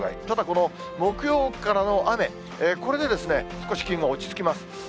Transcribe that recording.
ただ、この木曜からの雨、これで少し気温が落ち着きます。